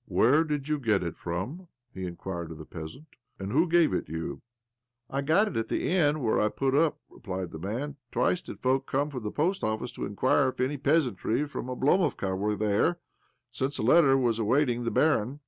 ' Where did you get it from?" he in quired of the peasant. ' And who gave it you?" " I got it at the inn where I put up," replied the man. "Twice did folk come from the post office to inquire if any peasantry from Oblomovka were there, since a letter was awaiting the barin.